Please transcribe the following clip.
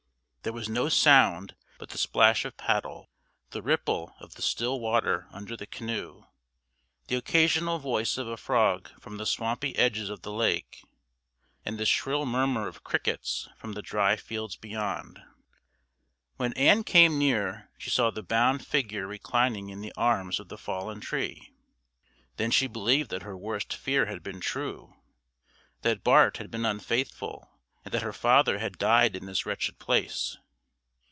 There was no sound but the splash of paddle, the ripple of the still water under the canoe, the occasional voice of a frog from the swampy edges of the lake, and the shrill murmur of crickets from the dry fields beyond. When Ann came near she saw the bound figure reclining in the arms of the fallen tree. Then she believed that her worst fear had been true that Bart had been unfaithful, and that her father had died in this wretched place.